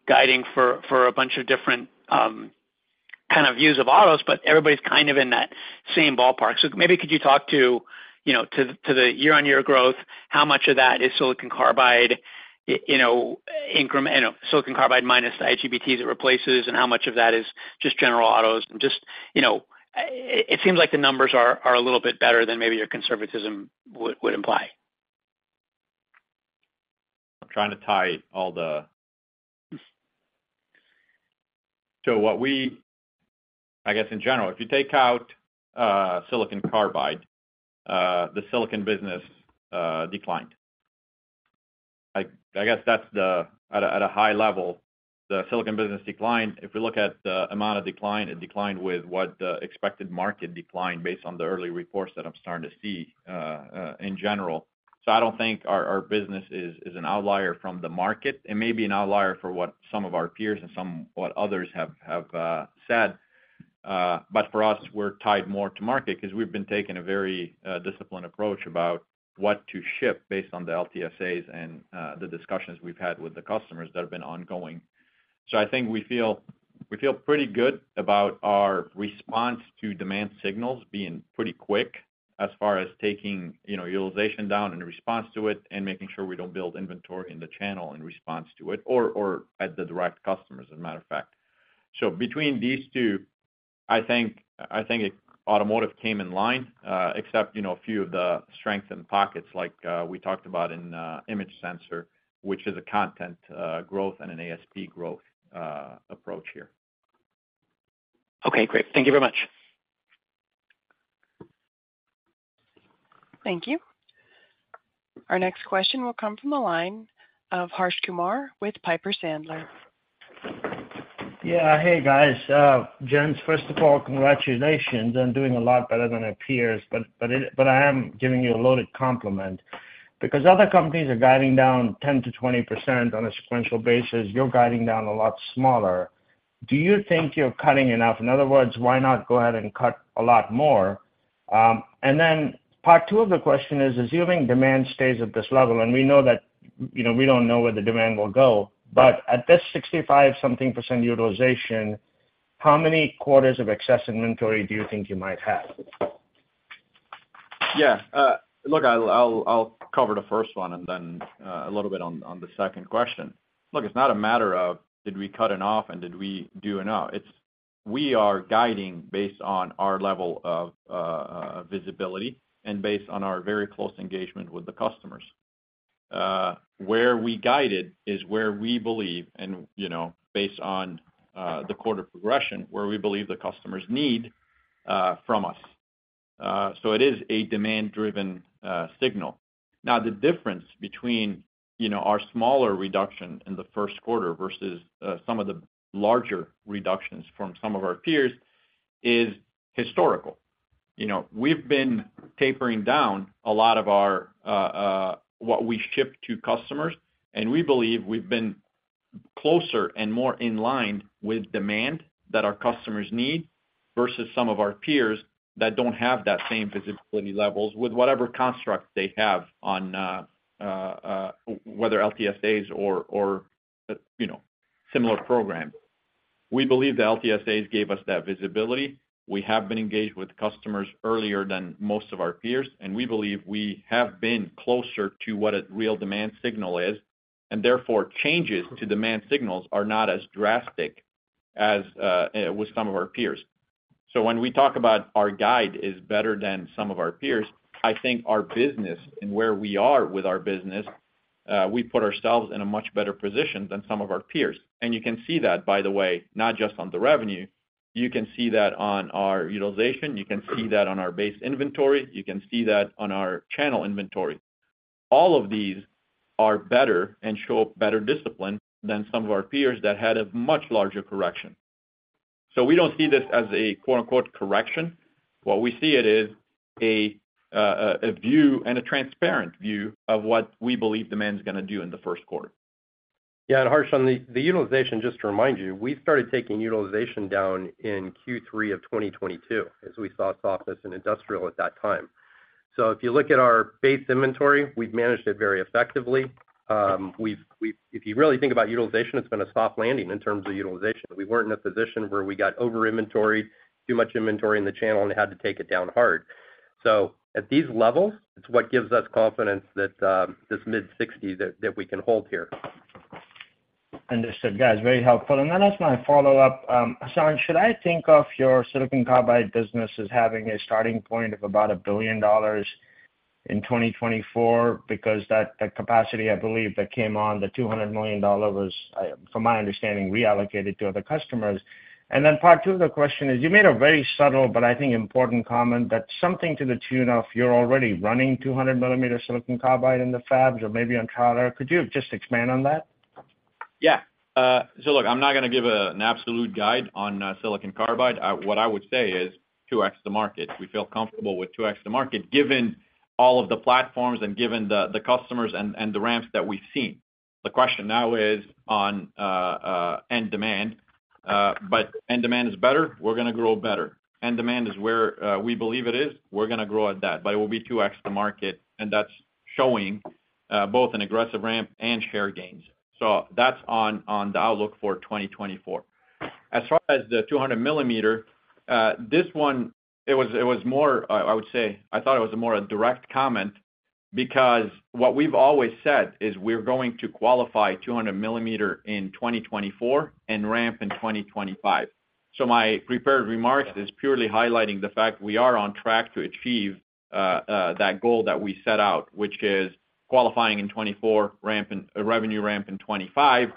S13: guiding for a bunch of different kind of views of autos, but everybody's kind of in that same ballpark. So maybe could you talk to, you know, to the year-on-year growth, how much of that is silicon carbide, you know, silicon carbide minus the IGBTs it replaces, and how much of that is just general autos? And just, you know, it seems like the numbers are a little bit better than maybe your conservatism would imply.
S3: I guess in general, if you take out silicon carbide, the silicon business declined. I guess that's, at a high level, the silicon business declined. If we look at the amount of decline, it declined with what the expected market declined based on the early reports that I'm starting to see, in general. So I don't think our business is an outlier from the market. It may be an outlier for what some of our peers and some of what others have said, but for us, we're tied more to market because we've been taking a very disciplined approach about what to ship based on the LTSAs and the discussions we've had with the customers that have been ongoing. So I think we feel, we feel pretty good about our response to demand signals being pretty quick as far as taking, you know, utilization down in response to it and making sure we don't build inventory in the channel in response to it or at the direct customers, as a matter of fact. So between these two, I think, I think automotive came in line, except, you know, a few of the strength in pockets, like, we talked about in image sensor, which is a content growth and an ASP growth approach here.
S13: Okay, great. Thank you very much.
S1: Thank you. Our next question will come from the line of Harsh Kumar with Piper Sandler.
S14: Yeah. Hey, guys. Gents, first of all, congratulations on doing a lot better than our peers, but I am giving you a loaded compliment because other companies are guiding down 10%-20% on a sequential basis. You're guiding down a lot smaller. Do you think you're cutting enough? In other words, why not go ahead and cut a lot more? And then part two of the question is: assuming demand stays at this level, and we know that, you know, we don't know where the demand will go, but at this 65-something% utilization, how many quarters of excess inventory do you think you might have?
S3: Yeah. Look, I'll cover the first one and then a little bit on the second question. Look, it's not a matter of did we cut enough and did we do enough? It's we are guiding based on our level of visibility and based on our very close engagement with the customers. Where we guided is where we believe and, you know, based on the quarter progression, where we believe the customers need from us. So it is a demand-driven signal. Now, the difference between, you know, our smaller reduction in the first quarter versus some of the larger reductions from some of our peers is historical. You know, we've been tapering down a lot of our what we ship to customers, and we believe we've been closer and more in line with demand that our customers need, versus some of our peers that don't have that same visibility levels with whatever construct they have on whether LTSAs or, you know, similar program. We believe the LTSAs gave us that visibility. We have been engaged with customers earlier than most of our peers, and we believe we have been closer to what a real demand signal is, and therefore, changes to demand signals are not as drastic as with some of our peers. When we talk about our guide is better than some of our peers, I think our business and where we are with our business, we put ourselves in a much better position than some of our peers. You can see that, by the way, not just on the revenue. You can see that on our utilization, you can see that on our base inventory, you can see that on our channel inventory. All of these are better and show better discipline than some of our peers that had a much larger correction. We don't see this as a, quote-unquote, "correction." What we see it is a, a view and a transparent view of what we believe demand is gonna do in the first quarter.
S4: Yeah, and Harsh, on the utilization, just to remind you, we started taking utilization down in Q3 of 2022, as we saw softness in industrial at that time. So if you look at our base inventory, we've managed it very effectively. If you really think about utilization, it's been a soft landing in terms of utilization. We weren't in a position where we got over inventoried, too much inventory in the channel and had to take it down hard. So at these levels, it's what gives us confidence that this mid-60 that we can hold here.
S14: Understood, guys, very helpful. And then my last follow-up. Hassan, should I think of your silicon carbide business as having a starting point of about $1 billion in 2024? Because that, that capacity, I believe, that came on, the $200 million was, from my understanding, reallocated to other customers. Part two of the question is, you made a very subtle but I think important comment, that something to the tune of you're already running 200mm silicon carbide in the fabs or maybe on trial. Could you just expand on that?
S3: Yeah. So look, I'm not gonna give an absolute guide on silicon carbide. What I would say is 2x the market. We feel comfortable with 2x the market, given all of the platforms and given the customers and the ramps that we've seen. The question now is on end demand, but end demand is better, we're gonna grow better. End demand is where we believe it is, we're gonna grow at that, but it will be 2x the market, and that's showing both an aggressive ramp and share gains. So that's on the outlook for 2024. As far as the 200 millimeter, this one, it was more, I would say... I thought it was a more direct comment, because what we've always said is we're going to qualify 200mm in 2024 and ramp in 2025. So my prepared remarks is purely highlighting the fact we are on track to achieve that goal that we set out, which is qualifying in 2024, revenue ramp in 2025.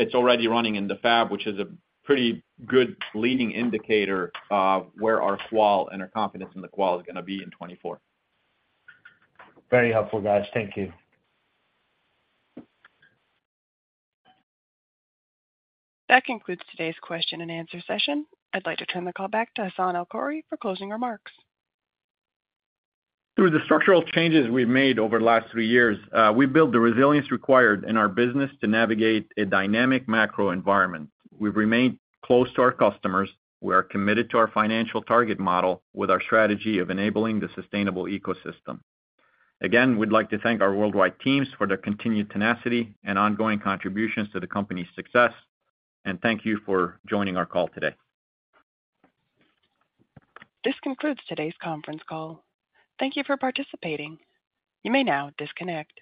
S3: It's already running in the fab, which is a pretty good leading indicator of where our qual and our confidence in the qual is gonna be in 2024.
S14: Very helpful, guys. Thank you.
S1: That concludes today's question and answer session. I'd like to turn the call back to Hassane El-Khoury for closing remarks.
S3: Through the structural changes we've made over the last three years, we built the resilience required in our business to navigate a dynamic macro environment. We've remained close to our customers. We are committed to our financial target model with our strategy of enabling the sustainable ecosystem. Again, we'd like to thank our worldwide teams for their continued tenacity and ongoing contributions to the company's success. Thank you for joining our call today.
S1: This concludes today's conference call. Thank you for participating. You may now disconnect.